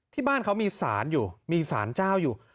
ที่บ้านเขามีสารอยู่มีสารเจ้าอยู่